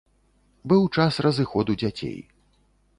Быў час разыходу дзяцей.